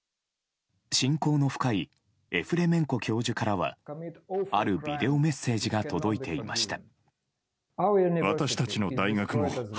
親交の深いエフレメンコ教授からはあるビデオメッセージが届いていました。